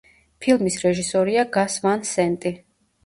ფილმის რეჟისორია გას ვან სენტი.